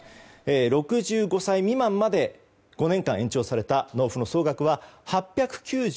６５歳未満まで５年間延長された納付の総額は８９５万８６００円。